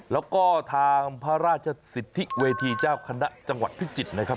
แล้วก็ทางพระราชสิทธิเวทีเจ้าคณะจังหวัดพิจิตรนะครับ